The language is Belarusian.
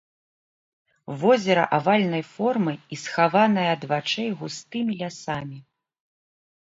Возера авальнай формы і схаванае ад вачэй густымі лясамі.